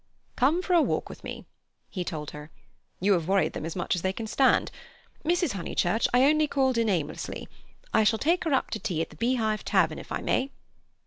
"Come for a walk with me," he told her. "You have worried them as much as they can stand. Mrs. Honeychurch, I only called in aimlessly. I shall take her up to tea at the Beehive Tavern, if I may."